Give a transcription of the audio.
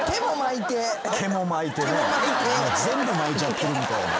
全部巻いちゃってるみたいな。